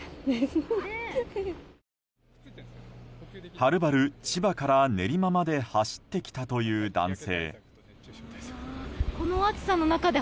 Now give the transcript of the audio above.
はるばる千葉から練馬まで走ってきたという男性。